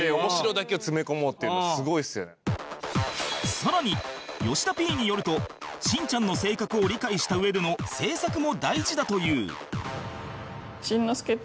さらに吉田 Ｐ によるとしんちゃんの性格を理解した上での制作も大事だという